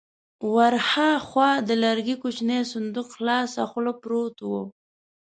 ور هاخوا د لرګي کوچينی صندوق خلاصه خوله پروت و.